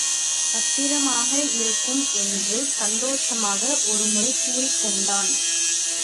பத்திரமாக இருக்கும் என்று சந்தோஷமாக ஒரு முறை கூறிக் கொண்டான்.